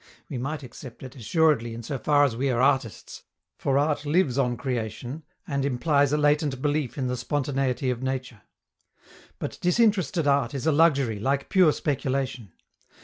We might accept it, assuredly, in so far as we are artists, for art lives on creation and implies a latent belief in the spontaneity of nature. But disinterested art is a luxury, like pure speculation.